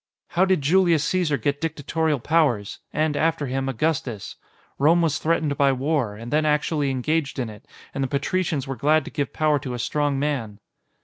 "How did Julius Caesar get dictatorial powers? And, after him, Augustus? Rome was threatened by war, and then actually engaged in it, and the patricians were glad to give power to a strong man."